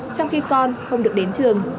trong khi con không được đến trường